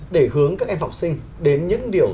để hướng các em học sinh đến những điều